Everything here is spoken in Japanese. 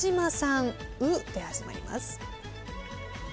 「う」で始まります。